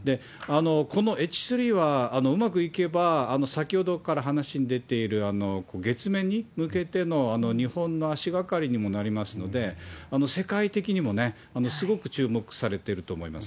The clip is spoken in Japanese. このＨ３は、うまくいけば、先ほどから話に出ている月面に向けての日本の足がかりにもなりますので、世界的にもすごく注目されてると思います。